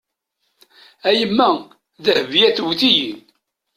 A yemma, Dehbeya tewwet-iyi.